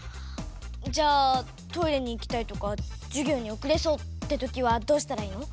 じゃあ「トイレにいきたい」とか「じゅぎょうにおくれそう」ってときはどうしたらいいの？